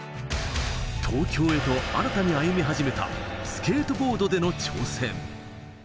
東京へと新たに歩み始めたスケートボードでの挑戦。